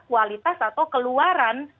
kualitas atau keluaran